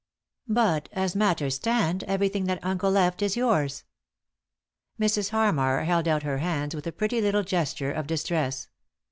"But, as matters stand, everything that uncle left is yours." Mrs. Harmar held out her hands with a pretty little gesture of distress.